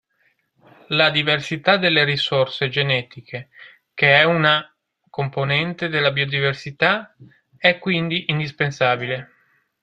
La diversità delle risorse genetiche, che è una componente della biodiversità, è quindi indispensabile.